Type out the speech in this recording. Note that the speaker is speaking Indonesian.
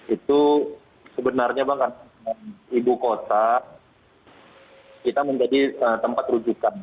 itu sebenarnya bang karena ibu kota kita menjadi tempat rujukan